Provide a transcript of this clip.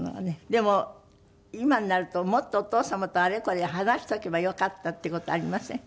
でも今になるともっとお父様とあれこれ話しておけばよかったっていう事ありません？